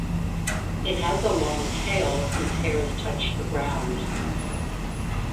It has a long tail whose hairs touch the ground.